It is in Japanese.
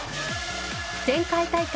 前回大会